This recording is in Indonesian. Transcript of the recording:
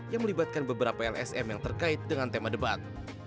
yang melibatkan beberapa lsm yang terkait dengan tema debat